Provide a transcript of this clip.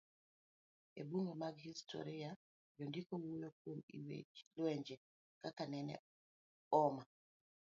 E buge mag histori, jondiko wuoyo kuom lwenje, kaka nene oma